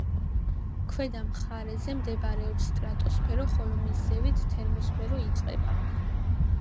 ქვედა მხარეზე მდებარეობს სტრატოსფერო, ხოლო მის ზევით თერმოსფერო იწყება.